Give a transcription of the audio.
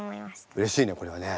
うれしいねこれはね。